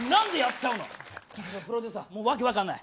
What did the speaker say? ちょっとプロデューサーもう訳分かんない。